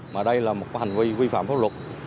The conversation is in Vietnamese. mà đây là một hành vi vi phạm pháp luật